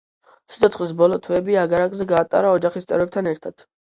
სიცოცხლის ბოლო თვეები აგარაკზე გაატარა ოჯახის წევრებთან ერთად.